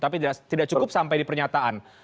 tapi tidak cukup sampai di pernyataan